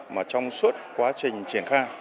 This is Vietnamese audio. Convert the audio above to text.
mà trong suốt quá trình triển khai